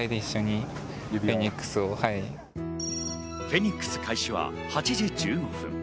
フェニックス開始は８時１５分。